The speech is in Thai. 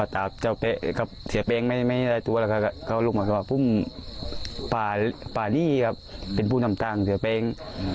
ตัวล่ะครับก็ลุกมาครับพุ่มป่าป่านี่ครับเป็นผู้นำต่างเสียแปง